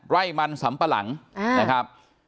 ถ้ายิงหลายสำปร่างนะครับ